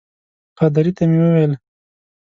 پادري ته مې وویل.